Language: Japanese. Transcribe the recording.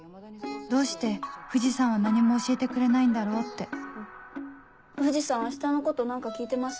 どうして藤さんは何も教えてくれないんだろうって藤さん明日のこと何か聞いてます？